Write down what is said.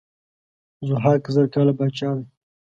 ضحاک زر کاله پاچا دی.